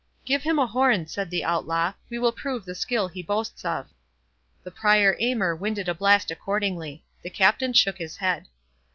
"Give him a horn," said the Outlaw; "we will prove the skill he boasts of." The Prior Aymer winded a blast accordingly. The Captain shook his head.